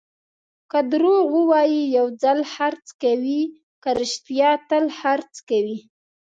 که دروغ ووایې، یو ځل خرڅ کوې؛ که رښتیا، تل خرڅ کوې.